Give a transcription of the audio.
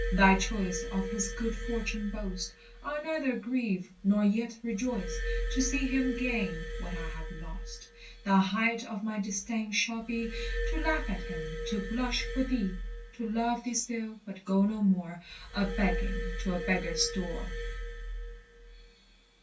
Thy choice of his good fortune boast; I 'll neither grieve nor yet rejoice, To see him gain what I have lost; The height of my disdain shall be, To laugh at him, to blush for thee; To love thee still, but go no more A begging to a beggar's door.